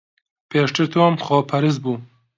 پێشتر تۆم خۆپەرست بوو.